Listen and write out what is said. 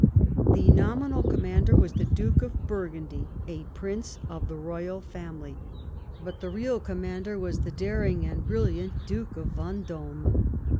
The nominal commander was the Duke of Burgundy, a prince of the royal family, but the real commander was the daring and brilliant Duke of Yendome.